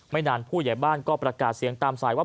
นานผู้ใหญ่บ้านก็ประกาศเสียงตามสายว่า